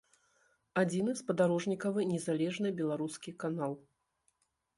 Адзіны спадарожнікавы незалежны беларускі канал.